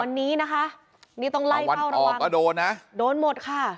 วันนี้นะคะนี่ต้องไล่เฝ้าระวังเอาวันออกอ่ะโดนนะโดนหมดค่ะ